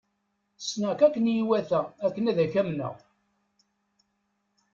Ssneɣ-k akken i iwata akken ad k-amneɣ.